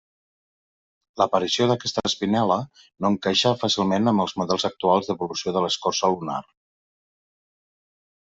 L'aparició d'aquesta espinel·la no encaixa fàcilment amb els models actuals d'evolució de l'escorça lunar.